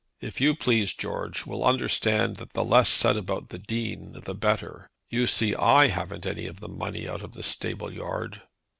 If you please, George, we'll understand that the less said about the Dean the better. You see I haven't any of the money out of the stable yard."